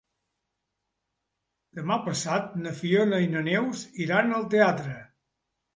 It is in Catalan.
Demà passat na Fiona i na Neus iran al teatre.